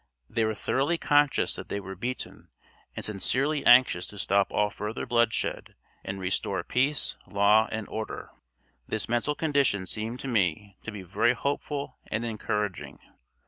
They were thoroughly conscious that they were beaten, and sincerely anxious to stop all further bloodshed and restore peace, law, and order. This mental condition seemed to me to be very hopeful and encouraging.